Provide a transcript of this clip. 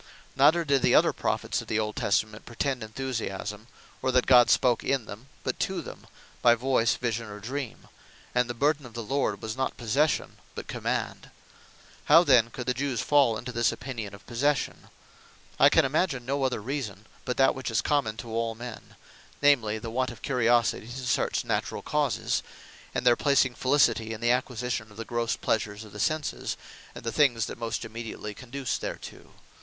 Neither did the other Prophets of the old Testament pretend Enthusiasme; or, that God spake in them; but to them by Voyce, Vision, or Dream; and the Burthen Of The Lord was not Possession, but Command. How then could the Jewes fall into this opinion of possession? I can imagine no reason, but that which is common to all men; namely, the want of curiosity to search naturall causes; and their placing Felicity, in the acquisition of the grosse pleasures of the Senses, and the things that most immediately conduce thereto.